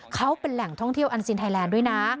เขาเป็นแหล่งท่องเที่ยวอันซีนไทยแลนด์ด้วยนะ